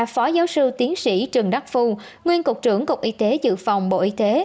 phó giáo sư tiến sĩ trần đắc phu nguyên cục trưởng cục y tế dự phòng bộ y tế